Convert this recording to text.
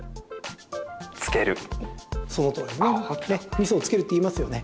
みそをつけるって言いますよね。